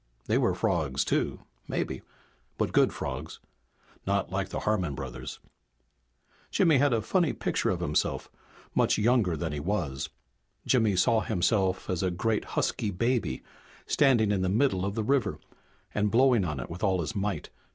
They were frogs too, maybe, but good frogs. Not like the Harmon brothers. Jimmy had a funny picture of himself much younger than he was. Jimmy saw himself as a great husky baby, standing in the middle of the river and blowing on it with all his might.